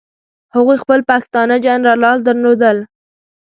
هغوی خپل پښتانه جنرالان درلودل.